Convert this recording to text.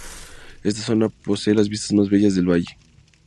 Esta zona, posee las vistas más Bellas del Valle.